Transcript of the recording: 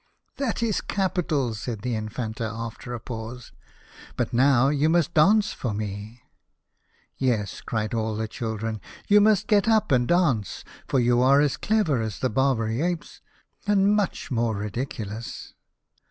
"That is capital," said the Infanta, after a pause ;" but now you must dance for me." " Yes," cried all the children, " you must get up and dance, for you are as clever as the Barbary apes, and much more ridiculous."